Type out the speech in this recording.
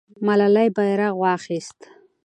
ملالۍ بیرغ واخیست.